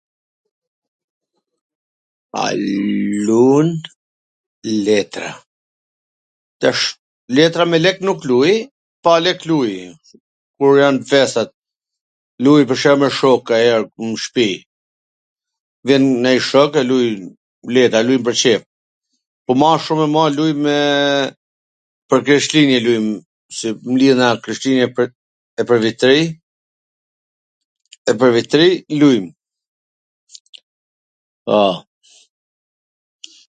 A lun letra? Tash, letra me lek nuk luj, pa lek luj, kur jan festat, luj, pwr shembull, kanjher me shok n shpi, bjen nonj shok e lujm letra, lujm pwr qef, po ma shum e ma lujm me ... pwr Krishtlindjen, lujm se mblidhena pwr Krishtlindje e pwr Vit t Ri, e per Vit t Ri lujm.